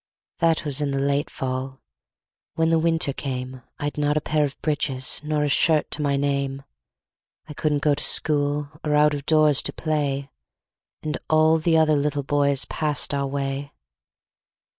That was in the late fall. When the winter came, I'd not a pair of breeches Nor a shirt to my name. I couldn't go to school, Or out of doors to play. And all the other little boys Passed our way.